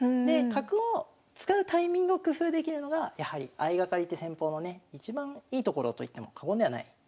で角を使うタイミングを工夫できるのがやはり相掛かりって戦法のねいちばんいいところといっても過言ではない。